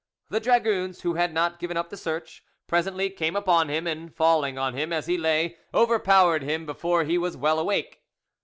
The dragoons, who had not given up the search, presently came upon him, and falling on him as he lay, overpowered him before he was well awake.